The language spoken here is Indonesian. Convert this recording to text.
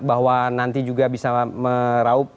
bahwa nanti juga bisa meraup